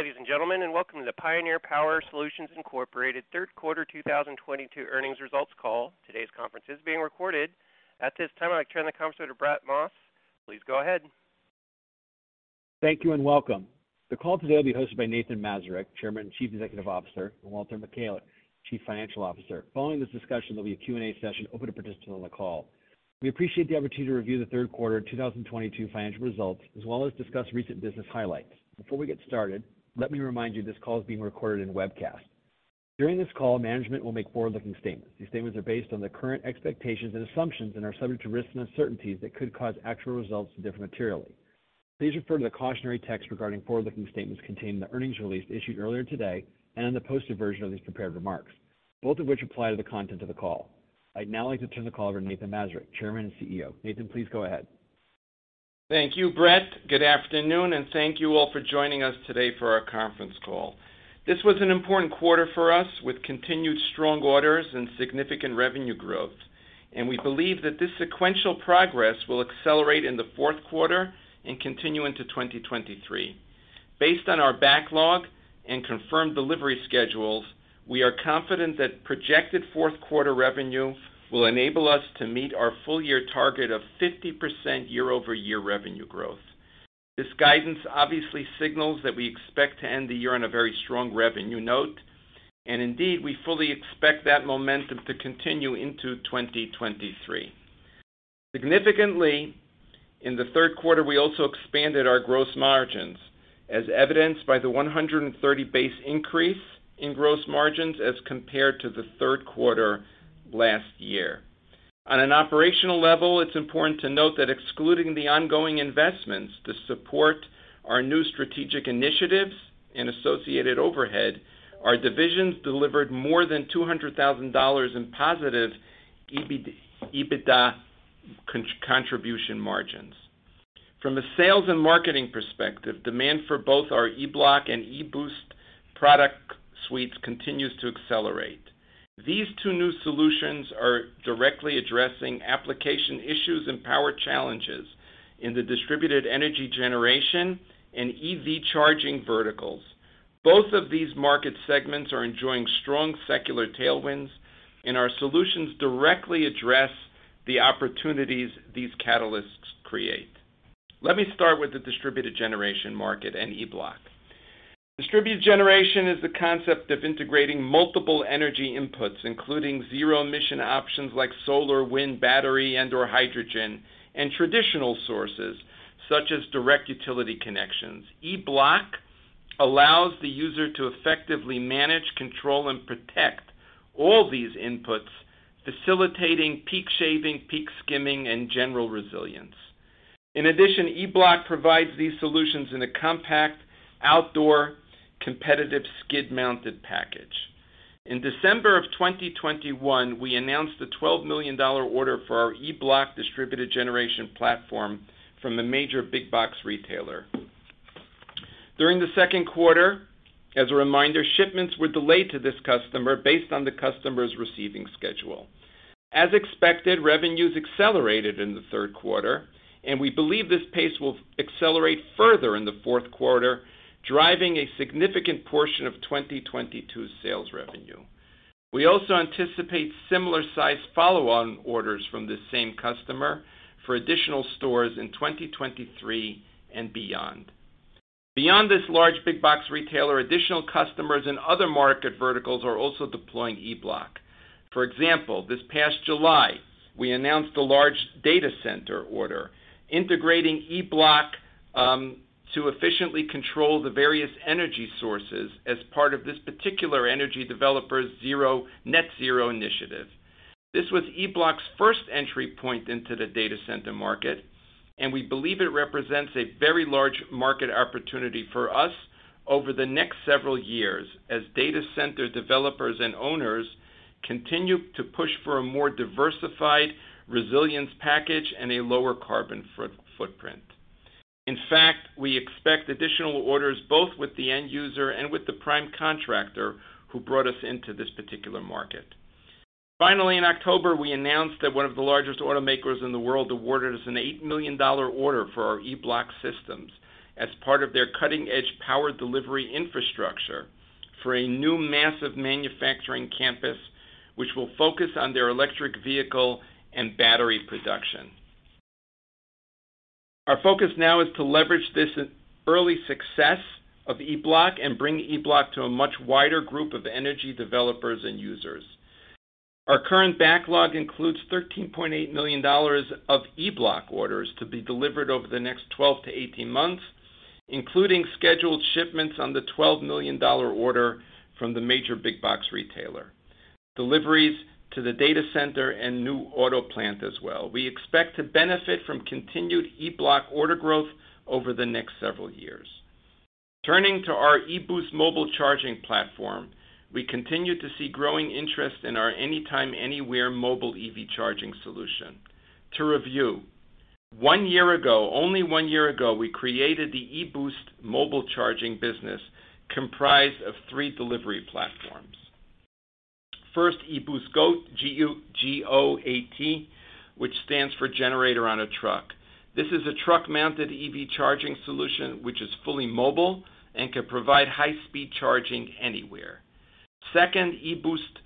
Good day, ladies and gentlemen, and welcome to the Pioneer Power Solutions, Inc. third quarter 2022 earnings results call. Today's conference is being recorded. At this time, I'd like to turn the conversation to Brett Maas. Please go ahead. Thank you, and welcome. The call today will be hosted by Nathan Mazurek, Chairman and Chief Executive Officer, and Walter Michalec, Chief Financial Officer. Following this discussion, there'll be a Q&A session open to participants on the call. We appreciate the opportunity to review the third quarter 2022 financial results, as well as discuss recent business highlights. Before we get started, let me remind you this call is being recorded and webcast. During this call, management will make forward-looking statements. These statements are based on the current expectations and assumptions and are subject to risks and uncertainties that could cause actual results to differ materially. Please refer to the cautionary text regarding forward-looking statements contained in the earnings release issued earlier today and in the posted version of these prepared remarks, both of which apply to the content of the call. I'd now like to turn the call over to Nathan Mazurek, Chairman and CEO. Nathan, please go ahead. Thank you, Brett. Good afternoon, and thank you all for joining us today for our conference call. This was an important quarter for us with continued strong orders and significant revenue growth, and we believe that this sequential progress will accelerate in the fourth quarter and continue into 2023. Based on our backlog and confirmed delivery schedules, we are confident that projected fourth quarter revenue will enable us to meet our full year target of 50% year-over-year revenue growth. This guidance obviously signals that we expect to end the year on a very strong revenue note, and indeed we fully expect that momentum to continue into 2023. Significantly, in the third quarter, we also expanded our gross margins, as evidenced by the 130 basis point increase in gross margins as compared to the third quarter last year. On an operational level, it's important to note that excluding the ongoing investments to support our new strategic initiatives and associated overhead, our divisions delivered more than $200,000 in positive EBITDA contribution margins. From a sales and marketing perspective, demand for both our E-Bloc and e-Boost product suites continues to accelerate. These two new solutions are directly addressing application issues and power challenges in the distributed energy generation and EV charging verticals. Both of these market segments are enjoying strong secular tailwinds, and our solutions directly address the opportunities these catalysts create. Let me start with the distributed generation market and E-Bloc. Distributed generation is the concept of integrating multiple energy inputs, including zero-emission options like solar, wind, battery, and/or hydrogen, and traditional sources such as direct utility connections. E-Bloc allows the user to effectively manage, control, and protect all these inputs, facilitating peak shaving, peak skimming, and general resilience. In addition, E-Bloc provides these solutions in a compact, outdoor, competitive skid-mounted package. In December of 2021, we announced a $12 million order for our E-Bloc distributed generation platform from a major big box retailer. During the second quarter, as a reminder, shipments were delayed to this customer based on the customer's receiving schedule. As expected, revenues accelerated in the third quarter, and we believe this pace will accelerate further in the fourth quarter, driving a significant portion of 2022's sales revenue. We also anticipate similar size follow-on orders from this same customer for additional stores in 2023 and beyond. Beyond this large big box retailer, additional customers and other market verticals are also deploying E-Bloc. For example, this past July, we announced a large data center order integrating E-Bloc to efficiently control the various energy sources as part of this particular energy developer's net zero initiative. This was E-Bloc's first entry point into the data center market, and we believe it represents a very large market opportunity for us over the next several years as data center developers and owners continue to push for a more diversified resilience package and a lower carbon footprint. In fact, we expect additional orders both with the end user and with the prime contractor who brought us into this particular market. Finally, in October, we announced that one of the largest automakers in the world awarded us a $8 million order for our E-Bloc systems as part of their cutting-edge power delivery infrastructure for a new massive manufacturing campus which will focus on their electric vehicle and battery production. Our focus now is to leverage this early success of E-Bloc and bring E-Bloc to a much wider group of energy developers and users. Our current backlog includes $13.8 million of E-Bloc orders to be delivered over the next 12-18 months, including scheduled shipments on the $12 million order from the major big box retailer, deliveries to the data center and new auto plant as well. We expect to benefit from continued E-Bloc order growth over the next several years. Turning to our e-Boost mobile charging platform, we continue to see growing interest in our anytime, anywhere mobile EV charging solution. To review, one year ago, only one year ago, we created the e-Boost mobile charging business comprised of three delivery platforms. First, e-Boost GOAT, G-O-A-T, which stands for generator on a truck. This is a truck-mounted EV charging solution which is fully mobile and can provide high-speed charging anywhere. Second, e-Boost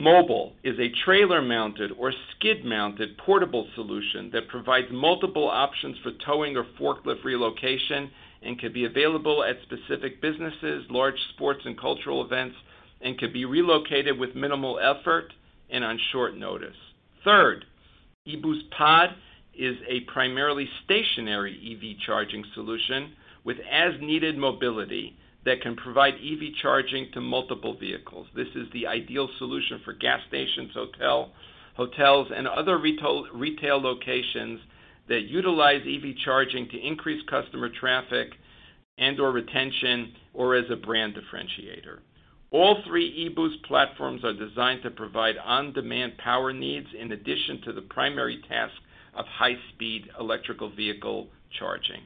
Mobile is a trailer-mounted or skid-mounted portable solution that provides multiple options for towing or forklift relocation and can be available at specific businesses, large sports and cultural events, and can be relocated with minimal effort and on short notice. Third, e-Boost Pod is a primarily stationary EV charging solution with as-needed mobility that can provide EV charging to multiple vehicles. This is the ideal solution for gas stations, hotels, and other retail locations that utilize EV charging to increase customer traffic and/or retention, or as a brand differentiator. All three e-Boost platforms are designed to provide on-demand power needs in addition to the primary task of high-speed electric vehicle charging.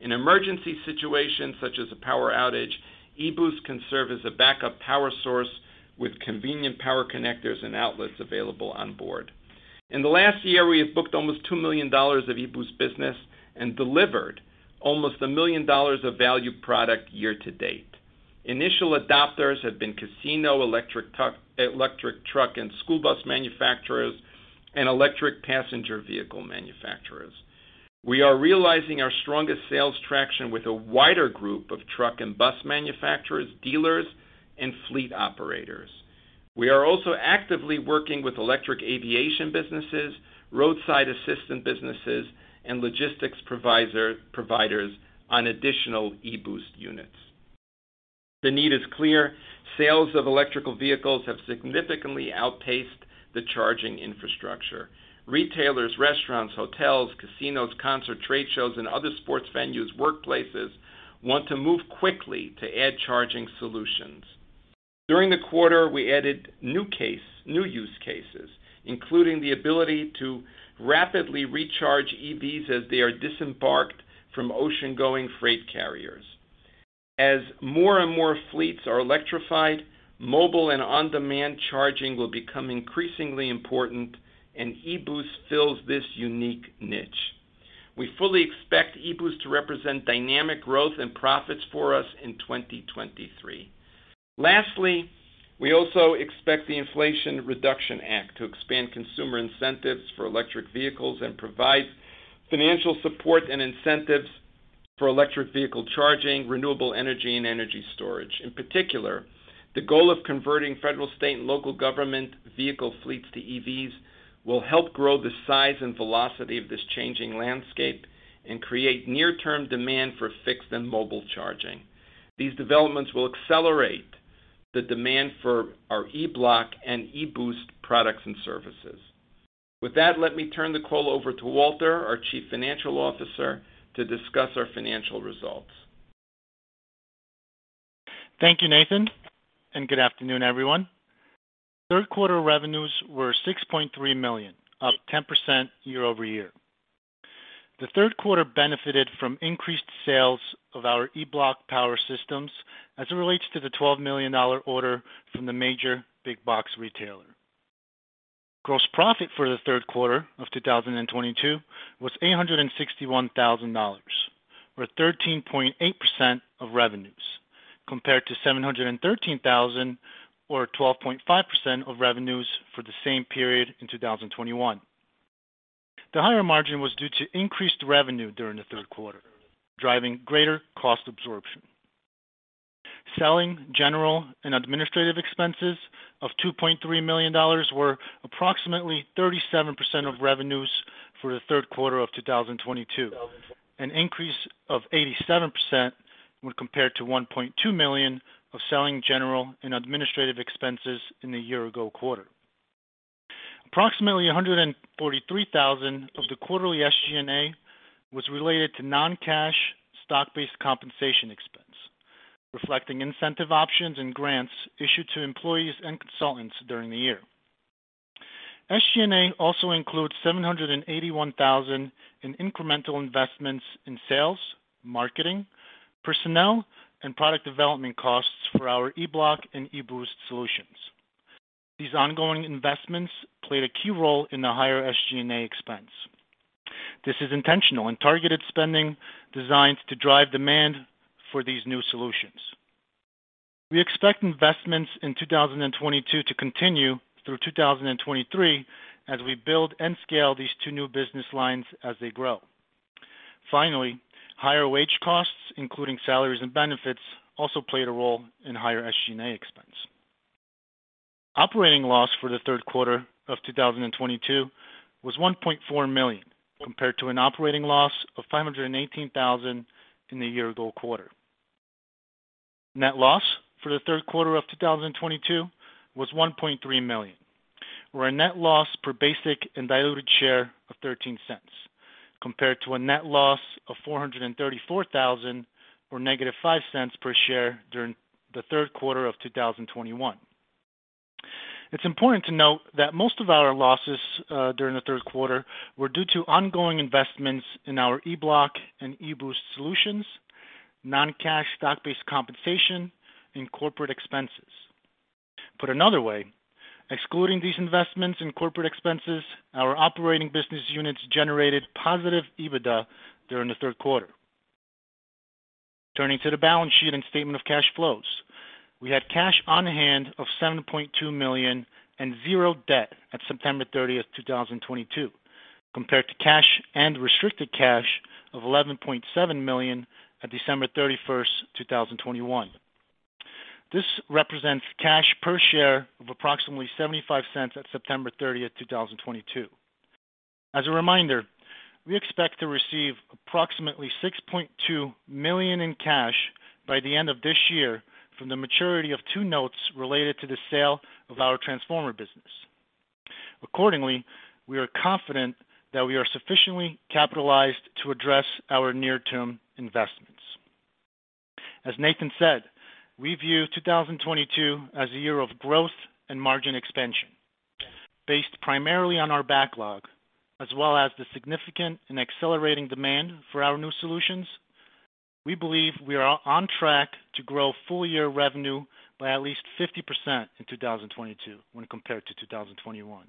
In emergency situations such as a power outage, e-Boost can serve as a backup power source with convenient power connectors and outlets available on board. In the last year, we have booked almost $2 million of e-Boost business and delivered almost $1 million of valued product year to date. Initial adopters have been casinos, electric truck and school bus manufacturers, and electric passenger vehicle manufacturers. We are realizing our strongest sales traction with a wider group of truck and bus manufacturers, dealers, and fleet operators. We are also actively working with electric aviation businesses, roadside assistance businesses, and logistics providers on additional e-Boost units. The need is clear. Sales of electric vehicles have significantly outpaced the charging infrastructure. Retailers, restaurants, hotels, casinos, concerts, trade shows, and other sports venues, workplaces want to move quickly to add charging solutions. During the quarter, we added new use cases, including the ability to rapidly recharge EVs as they are disembarked from ocean-going freight carriers. As more and more fleets are electrified, mobile and on-demand charging will become increasingly important, and e-Boost fills this unique niche. We fully expect e-Boost to represent dynamic growth and profits for us in 2023. Lastly, we also expect the Inflation Reduction Act to expand consumer incentives for electric vehicles and provide financial support and incentives for electric vehicle charging, renewable energy, and energy storage. In particular, the goal of converting federal, state, and local government vehicle fleets to EVs will help grow the size and velocity of this changing landscape and create near-term demand for fixed and mobile charging. These developments will accelerate the demand for our E-Bloc and e-Boost products and services. With that, let me turn the call over to Walter, our Chief Financial Officer, to discuss our financial results. Thank you, Nathan, and good afternoon, everyone. Third quarter revenues were $6.3 million, up 10% year-over-year. The third quarter benefited from increased sales of our E-Bloc power systems as it relates to the $12 million order from the major big box retailer. Gross profit for the third quarter of 2022 was $861,000, or 13.8% of revenues, compared to $713,000 or 12.5% of revenues for the same period in 2021. The higher margin was due to increased revenue during the third quarter, driving greater cost absorption. Selling, general, and administrative expenses of $2.3 million were approximately 37% of revenues for the third quarter of 2022, an increase of 87% when compared to $1.2 million of selling, general, and administrative expenses in the year ago quarter. Approximately $143 thousand of the quarterly SG&A was related to non-cash stock-based compensation expense, reflecting incentive options and grants issued to employees and consultants during the year. SG&A also includes $781 thousand in incremental investments in sales, marketing, personnel, and product development costs for our E-Bloc and e-Boost solutions. These ongoing investments played a key role in the higher SG&A expense. This is intentional and targeted spending designed to drive demand for these new solutions. We expect investments in 2022 to continue through 2023 as we build and scale these two new business lines as they grow. Finally, higher wage costs, including salaries and benefits, also played a role in higher SG&A expense. Operating loss for the third quarter of 2022 was $1.4 million, compared to an operating loss of $518 thousand in the year ago quarter. Net loss for the third quarter of 2022 was $1.3 million, or a net loss per basic and diluted share of $0.13, compared to a net loss of $434 thousand or -$0.05 per share during the third quarter of 2021. It's important to note that most of our losses during the third quarter were due to ongoing investments in our E-Bloc and e-Boost solutions. Non-cash stock-based compensation and corporate expenses. Put another way, excluding these investments in corporate expenses, our operating business units generated positive EBITDA during the third quarter. Turning to the balance sheet and statement of cash flows. We had cash on hand of $7.2 million and zero debt at September 30, 2022, compared to cash and restricted cash of $11.7 million at December 31st, 2021. This represents cash per share of approximately $0.75 at September 30th, 2022. As a reminder, we expect to receive approximately $6.2 million in cash by the end of this year from the maturity of two notes related to the sale of our transformer business. Accordingly, we are confident that we are sufficiently capitalized to address our near-term investments. As Nathan said, we view 2022 as a year of growth and margin expansion. Based primarily on our backlog as well as the significant and accelerating demand for our new solutions, we believe we are on track to grow full year revenue by at least 50% in 2022 when compared to 2021.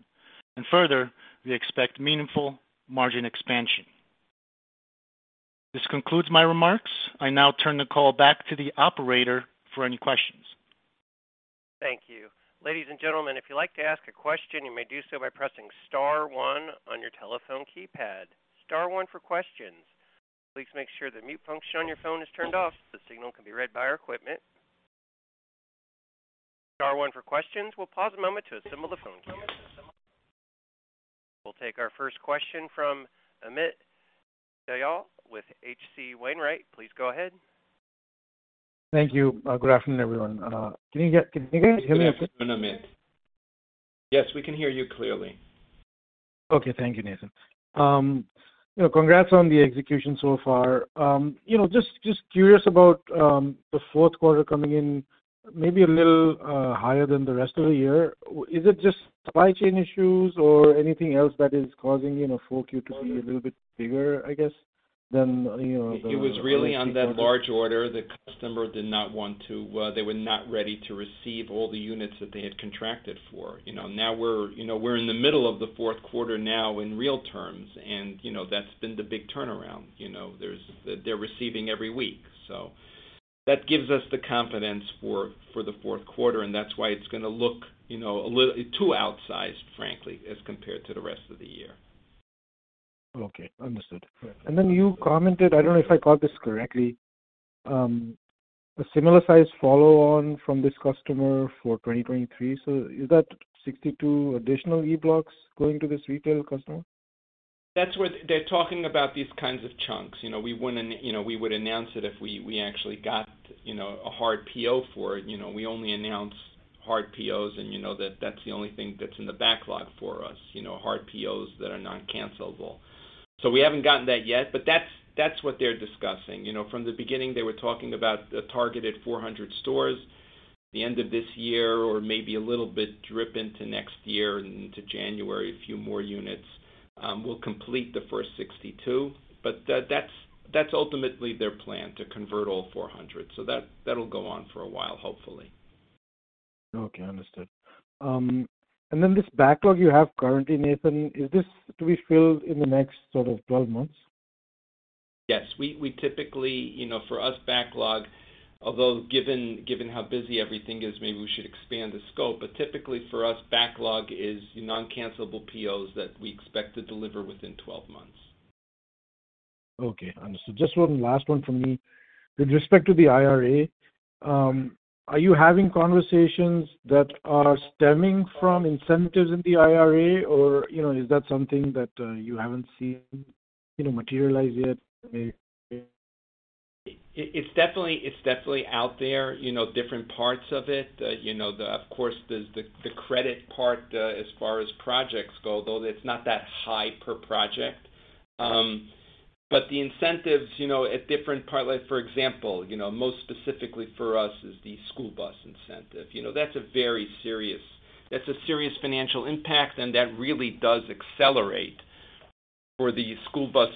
Further, we expect meaningful margin expansion. This concludes my remarks. I now turn the call back to the operator for any questions. Thank you. Ladies and gentlemen, if you'd like to ask a question, you may do so by pressing star one on your telephone keypad. Star one for questions. Please make sure the mute function on your phone is turned off so the signal can be read by our equipment. Star one for questions. We'll pause a moment to assemble the phone queue. We'll take our first question from Amit Dayal with H.C. Wainwright. Please go ahead. Thank you. Good afternoon, everyone. Can you guys hear me okay? Good afternoon, Amit. Yes, we can hear you clearly. Okay. Thank you, Nathan. You know, congrats on the execution so far. You know, just curious about the fourth quarter coming in maybe a little higher than the rest of the year. Is it just supply chain issues or anything else that is causing, you know, 4Q to be a little bit bigger, I guess, than, you know, the It was really on that large order. The customer they were not ready to receive all the units that they had contracted for. You know, now we're, you know, we're in the middle of the fourth quarter now in real terms, and, you know, that's been the big turnaround. You know, they're receiving every week. That gives us the confidence for the fourth quarter, and that's why it's gonna look, you know, too outsized, frankly, as compared to the rest of the year. Okay. Understood. Then you commented, I don't know if I caught this correctly, a similar size follow on from this customer for 2023. Is that 62 additional E-Bloc going to this retail customer? That's what they're talking about these kinds of chunks. You know, we wouldn't, you know, we would announce it if we actually got, you know, a hard PO for it. You know, we only announce hard POs, and, you know, that's the only thing that's in the backlog for us. You know, hard POs that are non-cancelable. We haven't gotten that yet, but that's what they're discussing. You know, from the beginning, they were talking about a targeted 400 stores. The end of this year or maybe a little bit dip into next year and into January, a few more units, we'll complete the first 62. That's ultimately their plan to convert all 400. That'll go on for a while, hopefully. Okay. Understood. This backlog you have currently, Nathan, is this to be filled in the next sort of 12 months? Yes. We typically, you know, for us, backlog, although given how busy everything is, maybe we should expand the scope. Typically for us, backlog is non-cancelable POs that we expect to deliver within 12 months. Okay. Understood. Just one last one from me. With respect to the IRA, are you having conversations that are stemming from incentives in the IRA or, you know, is that something that, you haven't seen, you know, materialize yet? It's definitely out there, you know, different parts of it. You know, of course, there's the credit part as far as projects go, although it's not that high per project. But the incentives, you know, at different parts, like for example, you know, most specifically for us is the school bus incentive. You know, that's a serious financial impact, and that really does accelerate for the school bus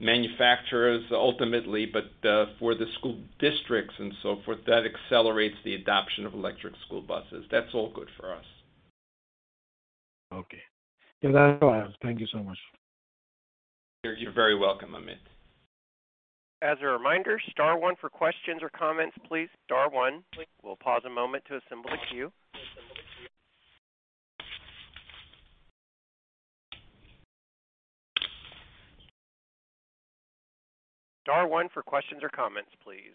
manufacturers ultimately, but for the school districts and so forth, that accelerates the adoption of electric school buses. That's all good for us. Okay. That's all I have. Thank you so much. You're very welcome, Amit. As a reminder, star one for questions or comments, please. Star one. We'll pause a moment to assemble the queue. Star one for questions or comments, please.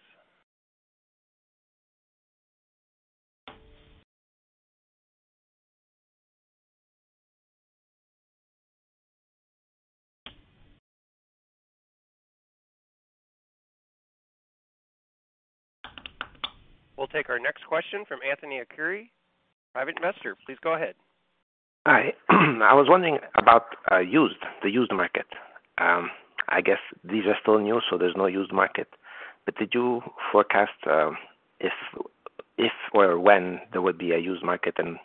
We'll take our next question from Anthony Akuri, Private Investor. Please go ahead. Hi. I was wondering about the used market. I guess these are still new, so there's no used market. Did you forecast if or when there would be a used market and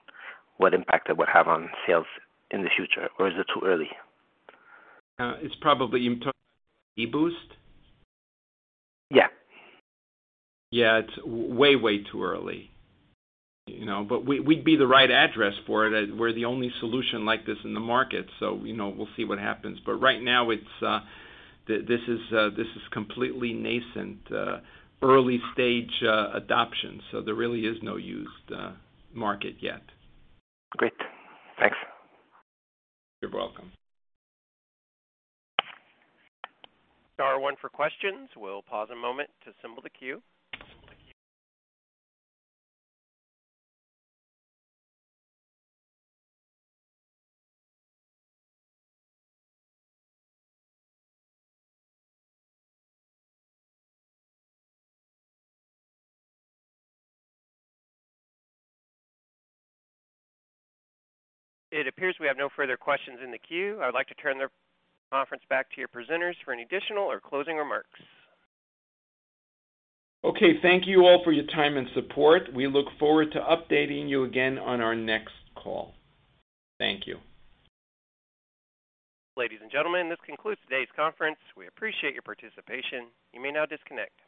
what impact that would have on sales in the future? Or is it too early? You're talking e-Boost? Yeah. Yeah, it's way too early. You know, we'd be the right address for it. We're the only solution like this in the market. You know, we'll see what happens. Right now, this is completely nascent, early stage adoption. There really is no used market yet. Great. Thanks. You're welcome. Star one for questions. We'll pause a moment to assemble the queue. It appears we have no further questions in the queue. I would like to turn the conference back to your presenters for any additional or closing remarks. Okay. Thank you all for your time and support. We look forward to updating you again on our next call. Thank you. Ladies and gentlemen, this concludes today's conference. We appreciate your participation. You may now disconnect.